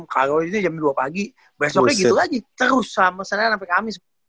kalau itu jam dua pagi besoknya gitu lagi terus sampe senin sampe kamis